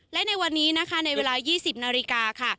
และในวันนี้นะคะในเวลา๒๐นาฬิกาค่ะ